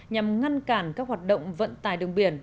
nhằm ngăn cản các hoạt động vận tài đường biển